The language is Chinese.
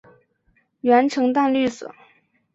喙呈淡绿色。